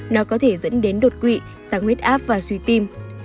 nó có thể dẫn đến đột quỵ tăng huyết áp và suy tim